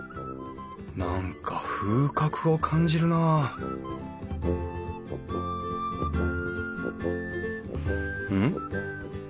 何か風格を感じるなあうん？